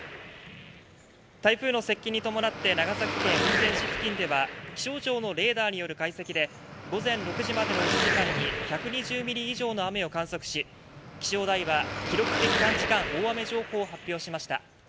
台風の接近に伴って長崎県雲仙市付近では気象庁のレーダーによる解析で午前１時までの１時間に１２０ミリ以上の雨を観測し気象台は記録的短時間大雨情報を発表しました。